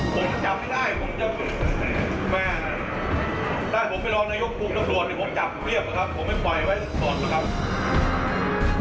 ผมไม่ปล่อยไว้ส่วนนะครับ